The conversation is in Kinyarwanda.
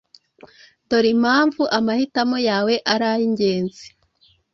Dore impamvu amahitamo yawe ari ay’ingenzi